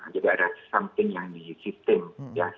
jadi ada sesuatu yang di sistem ya